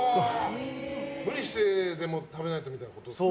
無理してでも食べないとみたいなことですか。